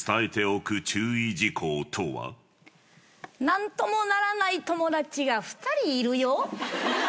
何ともならない友達が２人いるよ。